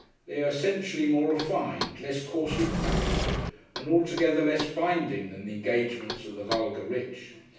They are essentially more refined, less coarsely practical, and altogether less binding than the engagements of the vulgar rich.